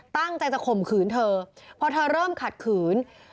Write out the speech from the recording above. ตั้งใจจะข่มขืนเธอพอเธอเริ่มขัดขืน